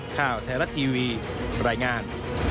ข่าวไทยรัฐทีวีรายงาน